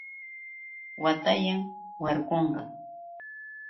Watayan. warkunqa.